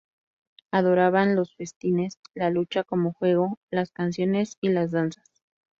Adoraban los festines, la lucha como juego, las canciones y las danzas.